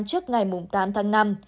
trước ngày tám tháng năm